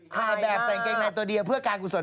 ถ่ายแบบสั่งเกงนายตัวเดียวเพื่อการอุดสน